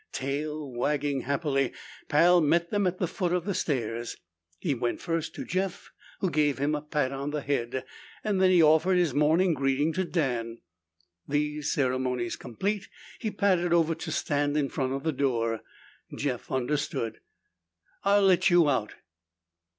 Tail wagging happily, Pal met them at the foot of the stairs. He went first to Jeff, who gave him a pat on the head, then he offered his morning greeting to Dan. These ceremonies complete, he padded over to stand in front of the door. Jeff understood. "I'll let you out."